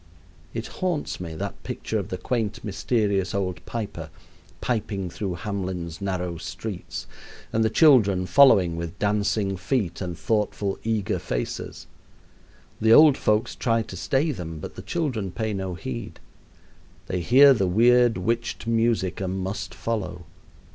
It haunts me, that picture of the quaint, mysterious old piper piping through Hamelin's narrow streets, and the children following with dancing feet and thoughtful, eager faces. The old folks try to stay them, but the children pay no heed. They hear the weird, witched music and must follow.